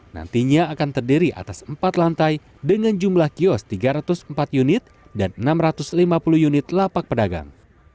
nantinya akan terdiri atas empat lantai dengan jumlah kios tiga ratus empat unit dan enam ratus lima puluh unit lapak pedagang